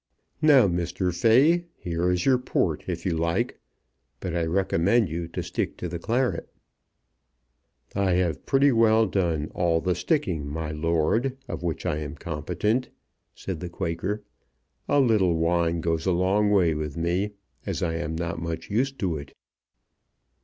"Now, Mr. Fay, here is port if you like, but I recommend you to stick to the claret." "I have pretty well done all the sticking, my lord, of which I am competent," said the Quaker. "A little wine goes a long way with me, as I am not much used to it."